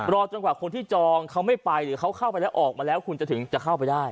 จนกว่าคนที่จองเขาไม่ไปหรือเขาเข้าไปแล้วออกมาแล้วคุณจะถึงจะเข้าไปได้